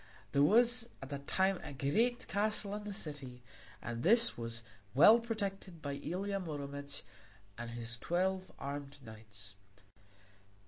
There was at that time a great castle in the city, and this was well protected by Ilia Muromec and his twelve armed knights.